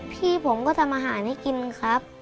พี่ผมก็ทำอาหารให้กินครับ